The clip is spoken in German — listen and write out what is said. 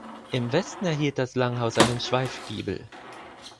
Im Westen erhielt das Langhaus einen Schweifgiebel.